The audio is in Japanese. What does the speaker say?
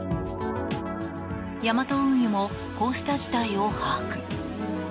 ヤマト運輸もこうした事態を把握。